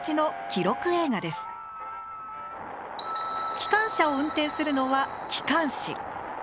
機関車を運転するのは機関士。